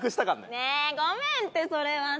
ねえごめんってそれはさ。